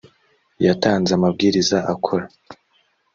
yatanze amabwiriza akora